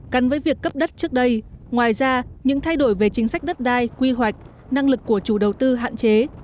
cắn với việc cấp đất trước đây ngoài ra những thay đổi về chính sách đất đai quy hoạch năng lực của chủ đầu tư hạn chế